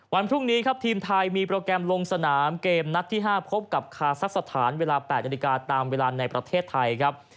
วันพรุ่งนี้ครับทีมไทยมีโปรแกรมลงสนามเกมนัดที่๕พบกับคาซักสถานเวลา๘นาฬิกาตามเวลาในประเทศไทยครับ